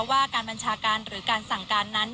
ว่าการบัญชาการหรือการสั่งการนั้น